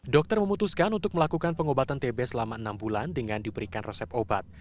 dokter memutuskan untuk melakukan pengobatan tb selama enam bulan dengan diberikan resep obat